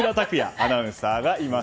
アナウンサーがいます。